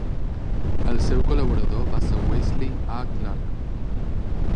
El seu col·laborador va ser Wesley A. Clark.